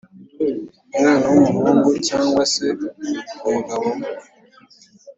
umwana w’umuhungu cyangwa se umugabo we